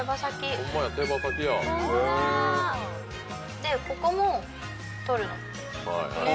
・でここも取るの。